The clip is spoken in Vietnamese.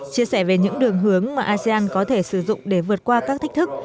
chia sẻ về những đường hướng mà asean có thể sử dụng để vượt qua các thách thức